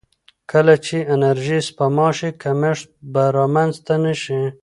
کله چې انرژي سپما شي، کمښت به رامنځته نه شي.